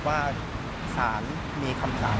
ว่าสารมีคำถาม